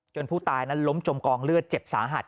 ผู้ตายนั้นล้มจมกองเลือดเจ็บสาหัส